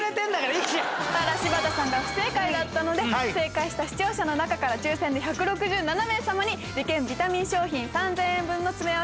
ただ柴田さんが不正解だったので正解した視聴者の中から抽選で１６７名様に理研ビタミン商品３０００円分の詰め合わせをプレゼント致します。